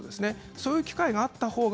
そういう機会があった方が